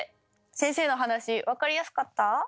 先生の話分かりやすかった？